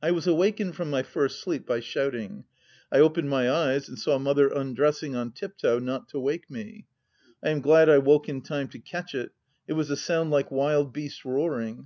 I was awakened from my first sleep by shouting. I opened my eyes and saw Mother imdressing on tip toe not to wake me, I am glad I woke in time to catch it — it was a sound like wild beasts roaring.